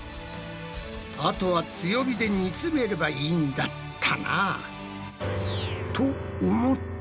あとは強火で煮詰めればいいんだったな。